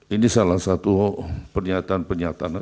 ini salah satu pernyataan pernyataan